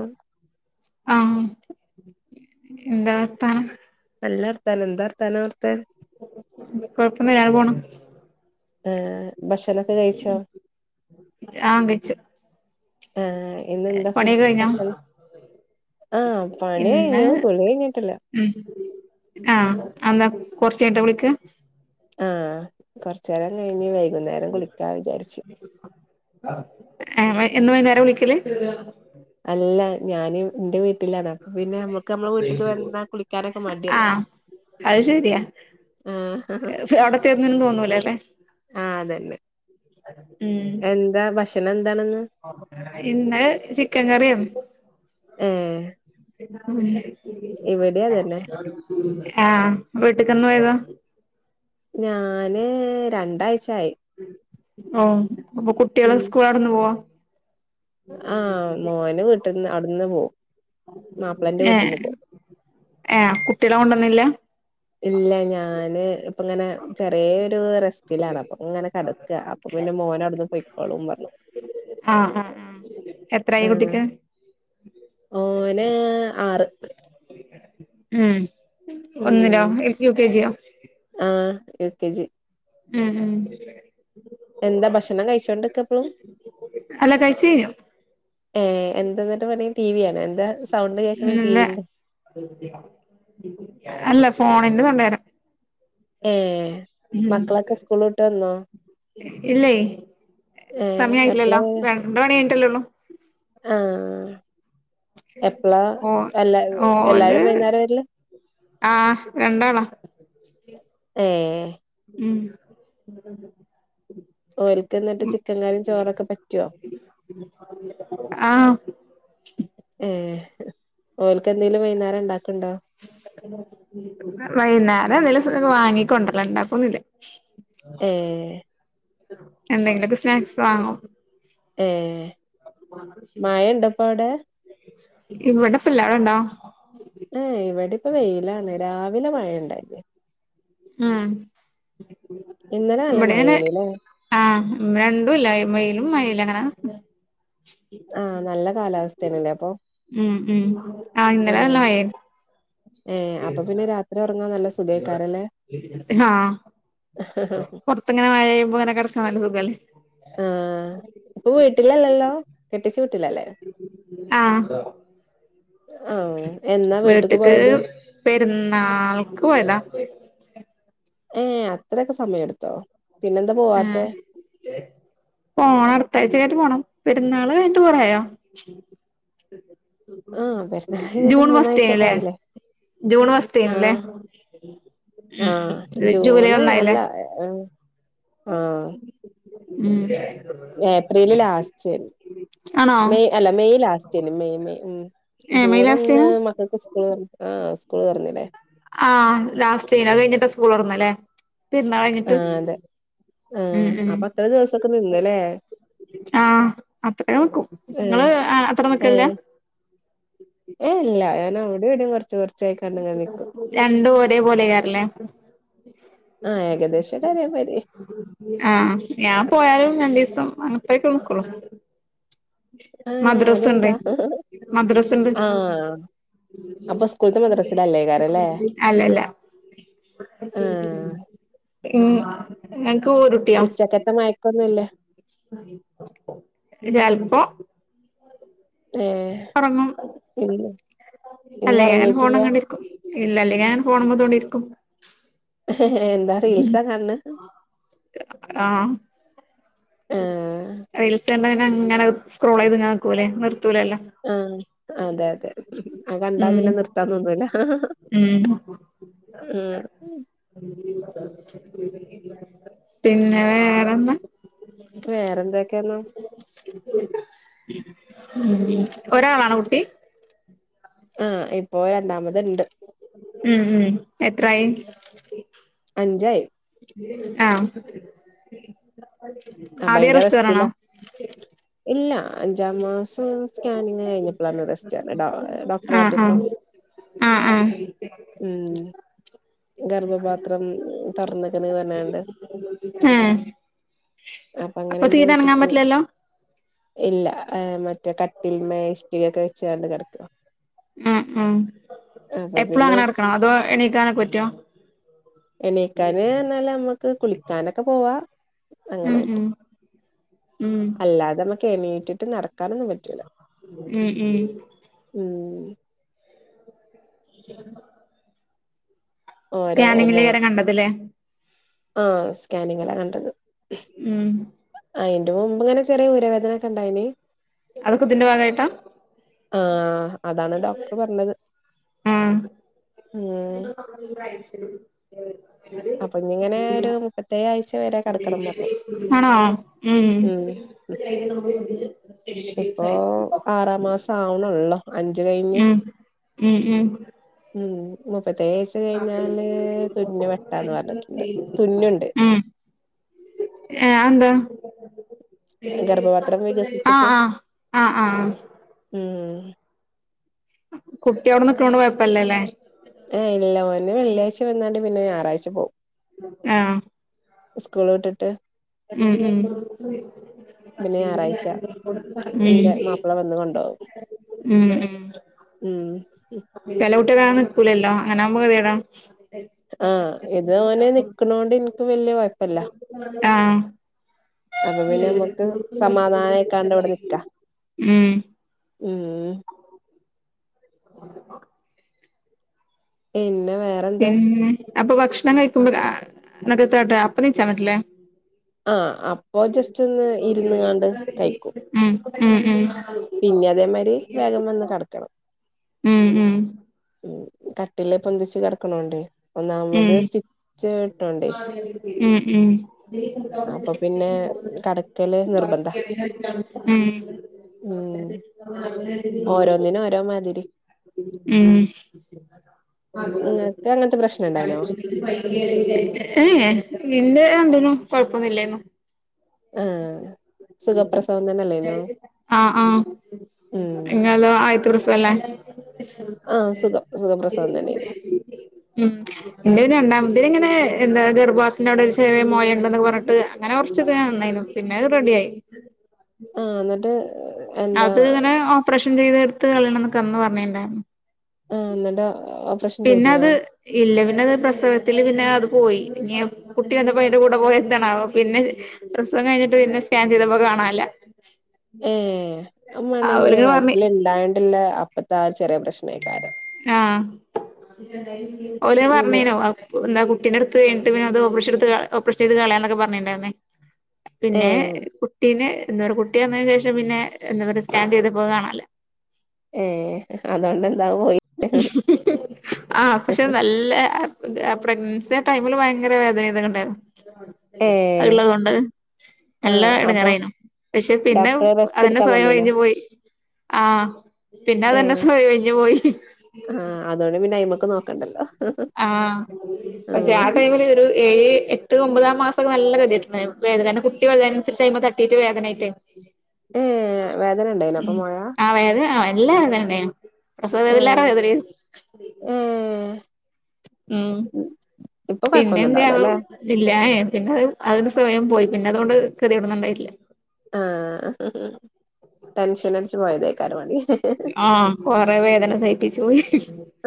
ആഹ് ആഹ് എന്താ വർത്താനം? നല്ല വർത്താനം എന്താ വർത്താനം അവിടത്തെ? കൊഴപ്പന്നല്ല ങ്ങനെ പോണ് ഏഹ് ഭക്ഷണൊക്കെ കഴിച്ചോ? ആഹ് കഴിച്ചു ഏഹ് ഇന്നെന്താ ഫു പണിയൊക്കെ കഴിഞ്ഞോ ഭക്ഷണം? ആഹ് പണി ഇന്ന് കഴിഞ്ഞു കുളി കഴിഞ്ഞിട്ടില്ല ഉം ആഹ് എന്താ കൊറ്ച്ചയിഞ്ഞിട്ടാ വിളിക്ക ആഹ് കൊറ്ച്ചേരം കഴിഞ്ഞ് വൈകുന്നേരം കുളിക്കാ വിചാരിച്ച് എന്നു വൈന്നാരെ കുളിക്കല് അല്ല ഞാന് ഇന്റെ വീട്ട് വീട്ടിലാണ് ൻ പിന്നെ അമ്മക്ക് നമ്മെളെ വീട്ടിക്ക് വരുമ്പോ കുളിക്കാനൊക്കെ മടിയല്ലേ ആഹ് അത് ശെരിയാ ആഹ് അവിടെ ചെന്നെ ന്ന് തോന്നൂലെല്ലെ ആഹ് അതന്നെ ഉം എന്താ ഭക്ഷണം എന്താണെന്ന് ഇന്ന് ചിക്കൻ കറിയെനു ഏഹ് ഇവിടെ അതന്നെ ആഹ് വീട്ടിക്കെന്ന് പോയതാ ഞാന് രണ്ടാഴ്ചായി ഓഹ് അപ്പൊ കുട്ട്യേള് ഉം സ്കൂള് അട്ന്ന് പോവോ? ആഹ് മോന് വീട്ട്ന്ന് അവ്ട്ന്ന് പോവും. മാപ്പിളന്റെ ഏഹ് വീട്ടിന്ന് പോ ഏഹ് കുട്ട്യേളെ കൊണ്ടന്നില്ല? ഇല്ല ഞാന് ഇപ്പങ്ങനെ ചെറ്യേരു റെസ്റ്റിലാണ്. അപ്പങ്ങനെ കെടക്ക. അപ്പൊ പിന്നെ മോനവിടുന്ന് പൊയ്ക്കോളും പറ്ഞ്ഞ് ആഹ് ആഹ് ആഹ്, എത്രായി ആഹ് കുട്ടിക്ക്? ഓന് ആറ് ഉം, ഒന്നിലോ ഉം യു യു കെജിയോ? ആഹ് യുകെജി. ഉം ഉം. എന്താ ഭക്ഷണം കഴിച്ചോണ്ട്ക്ക ഇപ്പളും അല്ല കഴിച്കയ് ഏഹ് എന്ത ഇന്നട്ട് പണി ടിവി കാണേ? ഇല്ല. അല്ല ഫോണിന്റെ സൗണ്ടാ ഏഹ്? ഉം, മക്കളൊക്കെ സ്കൂള് വിട്ട് വന്നോ ഇല്ലെയ് ഏഹ് എപ്പളാ സമയായില്ലല്ലോ വരാ രണ്ട്മണി കയ്ഞ്ഞ്ട്ടല്ലോള്ളൂ? ആഹ്, എപ്പളാ ഓ എല്ലാ ഓല് എല്ലാരും വൈന്നാരാ വര്ല്? ആഹ് രണ്ടാളും. ഏഹ്? ഉം ഓര്ക്ക്ന്നട്ട് ചിക്കക്കറീം ചോറൊക്കെ പറ്റോ? ആഹ്. ഏഹ്, ഓൽക്കെന്തേലും വൈന്നാരം ഇണ്ടാക്ക്ണ്ടൊ വൈന്നേരം എന്തേലും സ് വാങ്ങികൊണ്ട്രലാ ഇണ്ടാക്കൊന്നൂല്ല. ഏഹ്? എന്തെങ്കിലും സ്നാക്സ് വാങ്ങും. ഏഹ് മഴണ്ടൊ ഇപ്പൗടെ? ഇവിടെപ്പല്ല അവിടെ ഇണ്ടൊ. ഏഹ് ഇവടെ ഇപ്പി വെയിലാണ്. രാവിലെ മഴയിണ്ടായി. ആഹ് ഇന്നലെ നല്ല മഴയേന്നീല്ലേ? ആഹ്, ഉം രണ്ടും ഇല്ല വെയിലും മഴയൂല്ല അങ്ങനെ ആ നല്ല കാലാവസ്ഥയാണല്ലേ അപ്പൊ ഉം ഉം ആ ഇന്നലെ മഴേന്നു. ഏഹ് അപ്പൊ പിന്നെ രാത്രി ഒറങ്ങാൻ നല്ല സ ആഹ് പൊറത്തങ്ങനെ മഴെയ്യുമ്പോ ഇങ്ങനെ കെടക്കാൻ നല്ല സുഖല്ലേ? ആഹ് ഇപ്പൊ വീട്ടിലല്ലല്ലോ കെട്ടിച്ച വിട്ട് ലല്ലേ? ആഹ് ആ എന്നാ വീട്ടക്ക് വീട്ട്ക്ക് പോയത് പെരുന്നാൾക്ക് പോയതാ. ഏഹ് അത്രയൊക്കെ സമയെടുത്തോ? ആഹ്. പോണം അടുത്താഴ്ച്ചൊക്കായിട്ട് പോണം. പെരുന്നാള് കയ്ഞ്ഞിട്ട് കൊറേയാ ആ പെരുന്നാൾ കഴിഞ്ഞിട്ട് ജൂൺ ഫസ്റ്റേ മൂന്നാഴ്ചക്കെ നുലെ ആയില്ലേ ജൂൺ ആ ഫസ്റ്റേന്നൂല്ലേ? ഉമ് ആ ഉമ് ഇത് ജൂലൈ ഒന്നായില്ലേ? ആഹ്. ഉം. April last. ആണോ മെയ് അല്ല മെയ് ലാസ്റ്റേന്നു മെയ് മെയ് ഉമ് ഏ മെയ് ജൂൺ ഒന്ന് ലാസ്റ്റേനു മക്കൾക്ക് സ്കൂള് തൊ ആഹ് സ്കൂള് തൊറന്നിലേ? ആഹ് ലാസ്റ്റേന്നു അത് കയിഞ്ഞിട്ട സ്കൂള് തൊറന്ന് ല്ലേ? പെര്ന്നാളെയ്ഞ്ഞിട്ട്? ആഹ് അതെ ആഹ് അപ്പൊ അത്ര ദിവസൊക്കെ നിന്ന്ല്ലേ? ആഹ് അത്ര നക്കും ആഹ് നിങ്ങള് അത്ര നിക്കല്ല ഏഹ് ഏഹ് ഇല്ല ഞാൻ അവിടെ എവിടെയും കുറച്ച് കുറച്ച് രണ്ടും ഒരേ പോലെയാറല്ലേ ആഹ് ഏകദേശം [unintelligible] ആഹ് ഞാൻ പോയാലും രണ്ടു ദിവസം അങ്ങനത്തക്കെ നിക്കോളൂ ആഹ് മദ്രസുണ്ട് അതെന്താ മദ്രസുണ്ട് ആഹ് അപ്പൊ സ്കൂൾത്തെ മദ്രസിലല്ലേക്കാരല്ലേ അല്ലല്ല ആഹ് ഉമ് ഞങ്ങൾക്കൊരു ഉച്ചക്കത്ത മയക്കൊന്നുംല്ല ചെലപ്പോ ഏഹ് ഉറങ്ങും ഇല്ല ഇന്ന് അല്ലെ അങ്ങനെ ഒറങ്ങീട്ടില്ല ഫോണും കണ്ടിരിക്കും ഇല്ല അല്ലെ ഞാൻ ഫോൺമേ തൊണ്ടിയിരിക്കും എന്താ റീൽസാ കാണണ് ആഹ് ണേ ആഹ് റയിൽസണ്ട അങ്ങനെ സ്ക്രോൾ ചെയ്ത് നാക്കൂലേ നിർത്തൂലല്ല ആഹ് അതെ അതെ അത് കണ്ടാ പിന്നെ നിർത്താൻ തോന്നൂല്ല ഉമ് പിന്നെ വേറെന്താ വേറെന്തൊക്കെയാന്ന് [unintelligible] ഉമ് ഉമ് ഒരാളാണോ കു ആഹ് ഇപ്പോ രണ്ടാമത് ഇണ്ട് ഉമ് ഉമ് എത്രായി അഞ്ചായി ആഹ് അപ്പൊ ആദ്യ അയിന്റെ റെസ്റ്റോറൻണോ റെസ്റ്റിലാ [inaudible] ഇല്ല അഞ്ചാം മാസം സ്കാനിങ് കഴിഞ്ഞപ്പോഴന്ന് റെസ്റ്റ് ആഹ് ഡോക്ടർട്ട ആഹ് ആഹ് ആഹ് ഉമ് ഗർഭപാത്രം തുറന്നിരുന്ന് വല്ലാണ്ട് ആഹ് അങ്ങനെ അപ്പൊ ഇന്റെ തീരെ അനങ്ങാൻ വീട്ട്ക്ക് പറ്റില്ലല്ലോ ഇല്ല മറ്റേ കട്ടിൽ മേശകിരി ഒക്കെ വെച്ചാണ് കിടക്കുവ ആഹ് ആഹ് അപ്പൊ എപ്പോളും പിന്നെ അങ്ങനെ കിടക്കണോ അതോ എണീക്കാനെക്കെ പറ്റോ എണീക്കാന് എന്നാല് നമ്മുക്ക് കുളിക്കാനൊക്കെ പോവാ അങ്ങനെ ഉം പറ്റും [inaudible] അല്ലാതെ നമ്മക്ക് എണീറ്റിട്ട് നടക്കാനൊന്നും പറ്റൂല ഉം ഉം ഉമ് ചിലപ്പോ ഓരോ സ്കാനിങ്ങിൽ മോ കേറി കണ്ടതി ല്ലേ ആഹ് സ്കാനിങ്ങിലാ കണ്ടത് ഉം അയിന്റെ മുമ്പ് ഇങ്ങനെ ചെറിയ ഊരവേദന ഒക്കെ ഇണ്ടായിനി അതൊക്കൊ ഇതിന്റെ ഭാഗായിട്ടാ ആഹ് അതാണ് ഡോക്ടർ പറഞ്ഞത് ഉം ഉം [unintelligible] മുപ്പത്തേഴ്‌ ആഴ്ച വരെ കടക്കണം പറഞ്ഞു ആണോ ഉം ഉം ഇപ്പോ ആറാം മാസം ആവണള്ളോ അഞ്ച് കഴിഞ്ഞ് ഉം ഉം ഉം ഉം മുപ്പത്തേഴാഴ്ച കഴിഞ്ഞാല് [unintelligible] ണ്ടാന്ന് പറഞ്ഞിട്ടുണ്ട് തുന്നുണ്ട് ഉം ഏഹ് ആന്താ? ഗർഭപാത്രം ആഹ് വികസിച്ചിട്ട് ആഹ് ആഹ് ആഹ് ഉം കുട്ടി അവിടെ നിക്കണോണ്ട് കൊഴപ്പല്ലല്ലേ ഏയ് ഇല്ല ഓന് വെള്ളിയാഴ്ച വന്നാണ്ട് പിന്നെ ഞായറാഴ്ച പോവും ആഹ് ഉസ്കൂൾ വിട്ടിട്ട് ഉം ഉം ഉം പിന്നെ ഞായറാഴ്ച എന്റെ മാപ്പിള വന്ന് കൊണ്ടോവും ഉം ഉം ഉം ചെലകുട്ടി അങ്ങനെ നിക്കൂലല്ലോ അങ്ങനാവുമ്പോ ഗതികേടാ ആഹ് ഇത് ഓന് നിക്കണോണ്ട് എനിക്ക് വല്യ കൊഴപ്പല്ല ആഹ് അപ്പൊ പിന്നെ നമ്മക്ക് സമാധാനമായിക്കാണ്ട് ഇവിടെ നിക്കാ ഉം ഉം ഉം [inaudible] പിന്നെ വേറെ പിന്നെ അപ്പം ഭക്ഷണം കഴിക്കുമ്പ രാ [unintelligible] അപ്പെണീച്ചാ മതില്ലേ ആഹ് അപ്പോ ജസ്റ്റ് ഒന്ന് ഇരുന്ന് കാണ്ട് കഴിക്കും ഉം ഉം ഉം പിന്നെ അതേമാതിരി വേഗം വന്ന് കെടക്കണം ഉം ഉം ഉം ഉം കട്ടിലേ പൊന്തിച്ച് കെടക്കണോണ്ടെ ഉം അപ്പൊ ഉം പിന്നെ കടക്കല് നിർബന്ധ ഉം ഉം ഓരോന്നിനും ഓരോ മാതിരി [inaudible] ഉം ഇങ്ങക്ക് അങ്ങനത്തെ പ്രശ്നം ഇണ്ടായിനോ ഏഹ് പിന്നെ രണ്ടിലും കൊഴപ്പൊന്നു ഇല്ലായിരുന്നു ആഹ് സുഖപ്രസവം തന്നെല്ലേനോ ആഹ് ആഹ് ഉം ഇങ്ങളതോ ആദ്യത്തെ പ്രസവല്ലേ? ആഹ് സുഖം സുഖപ്രസവം തന്നെനു ഉം എന്റെന് രണ്ടാമത്തേന് ഇങ്ങനെ എന്താ ഗർഭപാത്രത്തിന്റെ അവിടെ ഒരു ചെറിയ മൊയ ഇണ്ട്ന്നൊക്കെ പറഞ്ഞിട്ട് അങ്ങനെ കൊറച്ചൊക്കെ [unintelligible] പിന്നെ അത് റെഡി ആയി ആഹ് എന്നിട്ട് എന്താ അത് ഇങ്ങനെ ഒപ് ഓപ്പറേഷൻ ചെയ്ത് എടുത്ത് കളയണന്നൊക്കെ അന്ന് പറഞ്ഞിണ്ടായിരുന്നു ആഹ് എന്ന്ട്ടാ പിന്നെ അത് ഇല്ല പിന്നെ അത് പ്രസവത്തില് പിന്നെ അത് പോയി ഇനിയെപ് കുട്ടി വന്നപ്പോ അയിന്റെ കൂടെ പോയ എന്താണാവോ പിന്നെ പ്രസവം കഴിഞ്ഞിട്ട് പിന്നെ സ്കാൻ ചെയ്തപ്പോ അത് കാണാനല്ല ഏഹ് അത് മാണെങ്കി പറഞ്ഞ് വയറ്റിൽ ഇണ്ടായോണ്ട്ള്ള അപ്പത്തെ ആ ഒരു ചെറിയ പ്രശ്നായിക്കാരം ആഹ് ഓലത് പിന്നെ പറഞ്ഞീനു അ എന്താ കുട്ടീൻ്റടുത്ത് അത് എട്ടുവേ ഓപ്പറേഷൻടു ഓപ്പറേഷൻ ചെയ്ത് കളയാന്നൊക്കെ പറഞ്ഞണ്ടായിരുന്നേ പിന്നെ ഏഹ് കു പിന്നെ എന്താ പറ കുട്ടി വന്നതിനു ശേഷം പിന്നെ എന്താ പറ സ്കാൻ ചെയ്ത് പോക കാണല്ലേ ഏ അതുകൊണ്ടന്താ പോയി ആഹ് പക്ഷെ നല്ല പ്രഗ്നൻസിയ ടൈമില് ഭയങ്കര വേദന ഇതൊക്കെ ഉണ്ടായിരുന്നു ഏഹ് ഇള്ളതൊണ്ട് നല്ല ആഹ് അപ്പൊ ഇടങ്ങറായിനു പക്ഷെ പിന്നെ ഡോക്ടറെ റെസ്റ്റ് അതന്നെ എടുക്കാൻ സ്വയം പറഞ്ഞീനോ ഒഴിഞ്ഞു പോയി ആഹ് പിന്നെ അതന്നെ ഏഹ് സോ കഴഞ്ഞഞ് പോയി ആഹ് അതുകൊണ്ട് പിന്നെ അയിമേക്ക് നോക്കണ്ടല്ലോ ആഹ് പക്ഷെ ആ ആഹ് ടൈമില് ഒരു ഏഴ് എട്ട് ഒമ്പതാ മാസം ഒക്കെ നല്ല കതിയിട്ടുണ്ട് വേദന കാരണം കുട്ടി വലുതായത് അനുസരിച്ച് അയിമ്മേ തട്ടിട്ട് വേദനയായിട്ട് [inaudible] ഉം വേ ഉം ആ വേദന ആഹ് എല്ലാ വേദനണ്ടേയ്നു പ്രസവ വേദനിലേറെ വേദനനു ഉം... ഉം ഇപ്പൊ കൊഴപ്പൊന്നും ഉണ്ടാവില്ല പിന്നെന്ത്യാവോ? അല്ലേ ഇല്ല ഏഹ് ഏഹ് പിന്നെത് അത് സ്വയം പോയി പിന്നെ അതുകൊണ്ട് കെതേടൊന്നുണ്ടായിട്ടില്ല ആഹ് ടെൻഷൻ അടിച്ച് പോയതായിരിക്കും കാരണം കൊറെ വേദന സഹിപ്പിച്ചു പോയി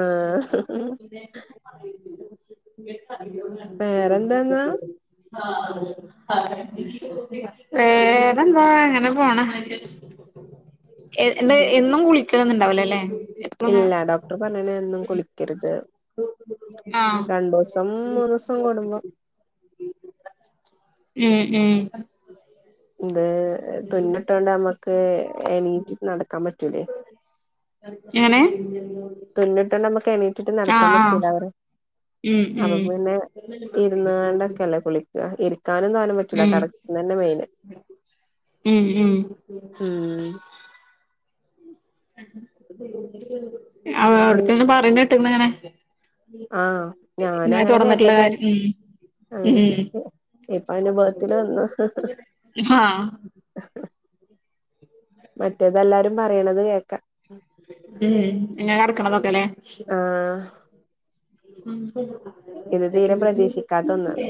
ആഹ് വേറെന്താന്നാ വേറെന്താ അങ്ങനെ പോണ് എ എന്ത് ഇത് എന്നും കുളിക്കലൊന്നുണ്ടാവൂലാല്ലെ? ഇല്ല ഡോക്ടർ പറഞ്ഞണ് എന്നും കുളിക്കരുത് ആഹ് രണ്ടുസം മൂന്ന്സം കൂടുമ്പോ ഉം ഉം ഇത് തുന്നിട്ടോണ്ട് നമ്മക്ക് എണീറ്റിട്ട് നടക്കാൻ പറ്റൂലേ എങ്ങനെ? തുന്നിട്ടൊണ്ട് നമ്മക്ക് എണീറ്റിട്ട് നടക്കാൻ ആഹ് ആഹ് പറ്റൂല പറയ ഉം അപ്പൊ ഉം പിന്നെ ഇരുന്ന്ങ്ങാണ്ടൊക്കെല്ലേ കുളിക്ക ഇരിക്കാനും തോനെ പ റ്റൂല ഉം കടക്കലന്നെ മെയിന് ഉം ഉം ഉം ആഹ് ഉം. അവിടത്തന്ന പറയണ കേട്ട്ണ് ഇങ്ങനെ ആഹ് ഇങ്ങനെ ഞാനങ്ങനെ തുറന്നിട്ടുള്ള കേട്ടതെയ് കാര്യം ഉം ആ ഉം ഇപ്പ അന്റെ ബേത്തിൽ വന്ന ആഹ് മറ്റേതെല്ലാരും പറയണത് കേൾക്കാം ഉം ഇങ്ങനെ കടക്കണതൊക്കെല്ലേ? ആഹ് ഉം ഇത് തീരെ ഉം പ്രതീക്ഷിക്കാത്ത ഒന്നാണ്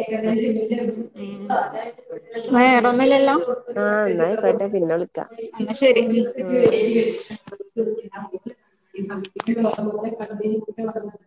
വേറൊന്നില്ലല്ലോ? ആഹ് എന്നായിക്കോട്ടെ പിന്നെ വിളിക്കാം ന്ന ശരി ആഹ് ഉം ഉം [unintelligible]